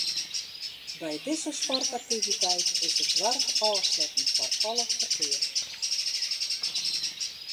By dizze sportaktiviteit is it doarp ôfsletten foar alle ferkear.